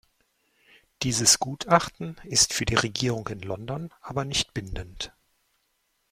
Dieses Gutachten ist für die Regierung in London aber nicht bindend.